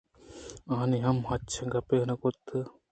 آئی ءَہم ہچ گپ نہ کُتگ اَت